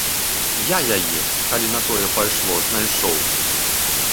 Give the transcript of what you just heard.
Я яе, калі на тое пайшло, знайшоў.